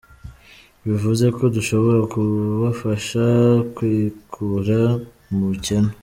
bivuze ko dushobora kubafasha kwikura mu bucyene".